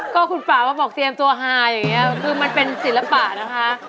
ก็คุณป่าก็บอกเตรียมตัวฮาอย่างนี้คือมันเป็นศิลปะนะคะ